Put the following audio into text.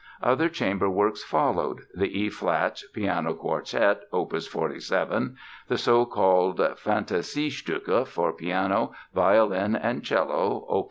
Other chamber works followed—the E flat Piano Quartet, Op. 47, the so called Phantasiestücke, for piano, violin and cello, Op.